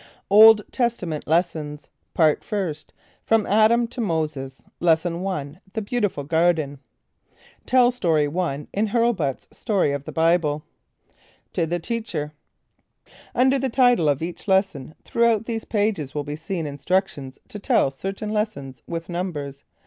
OLD TESTAMENT LESSONS. PART FIRST. FROM ADAM TO MOSES. Lesson I. The Beautiful Garden. (Tell Story 1 in "Hurlbut's Story of the Bible.") =To the Teacher:= Under the title of each lesson throughout these pages will be seen instructions to tell certain lessons, with numbers.